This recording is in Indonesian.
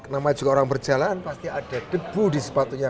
nama juga orang berjalan pasti ada debu di sepatunya